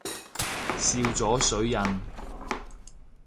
笑咗水印